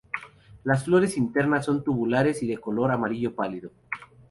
Las flores internas son tubulares y de color amarillo pálido.